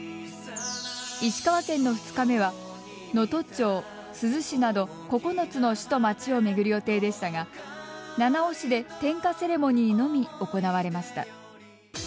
石川県の２日目は能登町珠洲市など９つの市と町を巡る予定でしたが七尾市で、点火セレモニーのみ行われました。